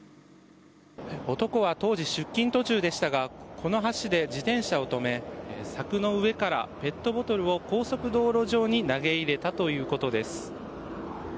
男は当時、出勤途中でしたがこの橋で自転車を止め柵の上からペットボトルを高速道路上に投げ入れたということです。